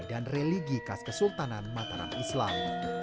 dan religi khas kesultanan mataram islam